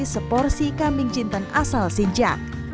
seporsi kambing jinten asal xinjak